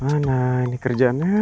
mana ini kerjaannya